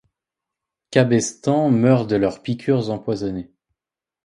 Cabestan meurt de leurs piqûres empoisonnées.